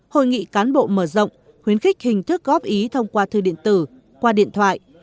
hội nghị cán bộ mở rộng khuyến khích hình thức góp ý thông qua thư điện tử qua điện thoại